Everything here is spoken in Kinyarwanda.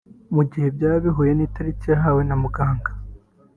mu gihe byaba bihuye n’itariki yahawe na muganga